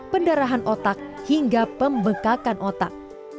pendarahan otak hingga pembekakan otak